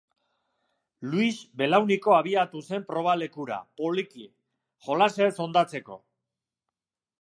Luia belauniko abiatu zen probalekura, poliki, jolasa ez hondatzeko.